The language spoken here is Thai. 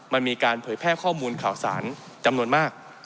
มันมีการเผยแพร่ข้อมูลข่าวสารจำนวนมาก